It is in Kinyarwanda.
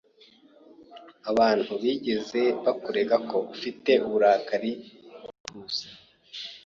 Abantu bigeze bakurega ko ufite uburakari bwihuse?